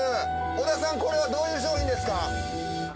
尾田さんこれはどういう商品ですか？